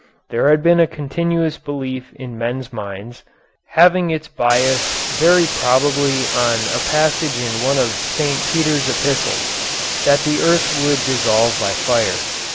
There had been a continuous belief in men's minds, having its basis very probably on a passage in one of St. Peter's Epistles, that the earth would dissolve by fire.